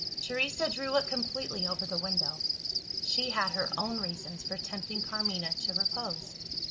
Teresa drew it completely over the window: she had her own reasons for tempting Carmina to repose.